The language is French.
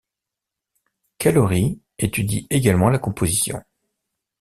Callery étudie également la composition.